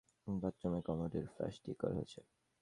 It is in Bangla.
বাথরুমের কমোডের ফ্ল্যাশ ঠিক করা হয়েছে।